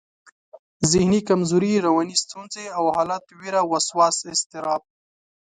ذهني کمزوري، رواني ستونزې او حالت، وېره، وسواس، اضطراب